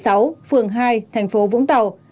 phía sáu phường hai thành phố vũng tàu